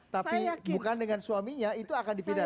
tapi bukan dengan suaminya itu akan dipidana